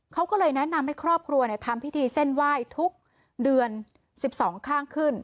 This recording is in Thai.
เขาก็เลยแนะนำให้ครอบครัวทำพิธีเส้นไหว้ทุกเดือน๑๒ข้างขึ้น